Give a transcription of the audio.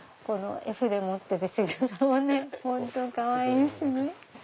絵筆持ってるしぐさはね本当かわいいですね。